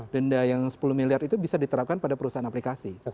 denda yang sepuluh miliar itu bisa diterapkan pada perusahaan aplikasi